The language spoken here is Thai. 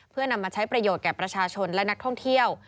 เพื่อนำมาใช้ประโยชน์แก่ประชาชนและนักท่องเที่ยว